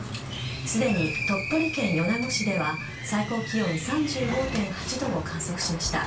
すでに鳥取県米子市では最高気温３５．８度を観測しました。